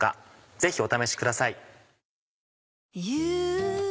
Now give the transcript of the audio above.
ぜひお試しください。